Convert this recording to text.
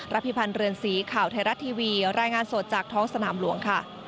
พิพันธ์เรือนสีข่าวไทยรัฐทีวีรายงานสดจากท้องสนามหลวงค่ะ